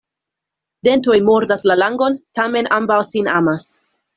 Dentoj mordas la langon, tamen ambaŭ sin amas.